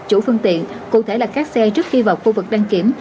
chủ phương tiện cụ thể là các xe trước khi vào khu vực đăng kiểm